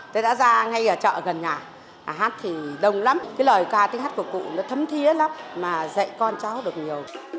tới đã ra ngay ở chợ gần nhà hát thì đông lắm cái lời ca tính hát của cụ nó thấm thiết lắm mà dạy con cháu được nhiều